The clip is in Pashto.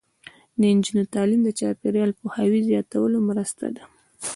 د نجونو تعلیم د چاپیریال پوهاوي زیاتولو مرسته ده.